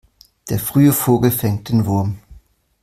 Der frühe Vogel fängt den Wurm.